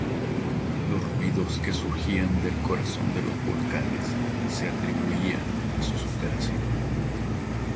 Los ruidos que surgían del corazón de los volcanes se atribuían a sus operaciones.